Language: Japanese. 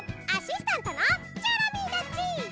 アシスタントのチョロミーだっち！